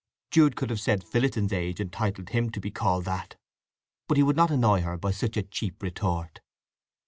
Jude could have said "Phillotson's age entitles him to be called that!" But he would not annoy her by such a cheap retort.